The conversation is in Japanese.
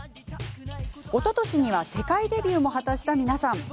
おととしには世界デビューも果たした皆さん。